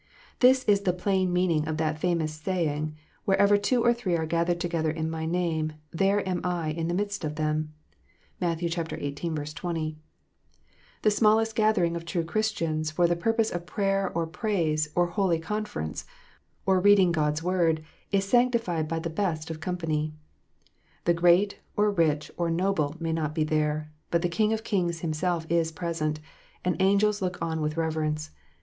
This is the plain meaning of that famous saying, " Wherever two or three are gathered together in My name, there am I in thejnidst of them." (Matt, xviii. 20.) The smallest gathering of true Christians for the purposes of prayer or praise, or holy confer ence, or reading God s Word, is sanctified by the best of company. The great or rich or noble may not be there, but the King of kings Himself is present, and angels look on with reverence.